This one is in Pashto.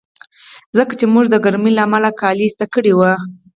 ځکه چې موږ به د ګرمۍ له امله کالي ایسته کړي وي.